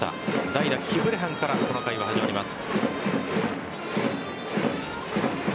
代打・キブレハンからこの回は始まります。